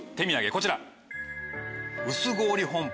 こちら。